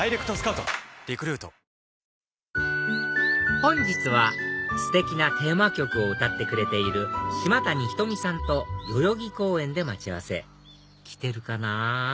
本日はステキなテーマ曲を歌ってくれている島谷ひとみさんと代々木公園で待ち合わせ来てるかなぁ